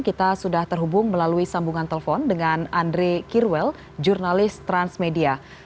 kita sudah terhubung melalui sambungan telepon dengan andre kirwel jurnalis transmedia